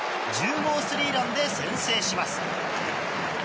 １０号スリーランで先制します。